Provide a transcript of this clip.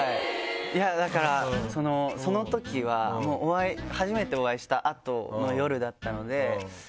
だからそのときは初めてお会いした後の夜だったので。